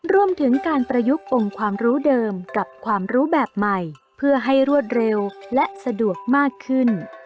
รวมถึงการประยุกต์องค์ความรู้เดิมกับความรู้แบบใหม่เพื่อให้รวดเร็วและสะดวกมากขึ้น